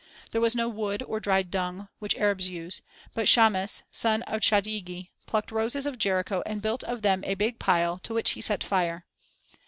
There was no wood or dried dung, which Arabs use, but Chamis, son of Chadigi, plucked roses of Jericho and built of them a big pile to which he set fire.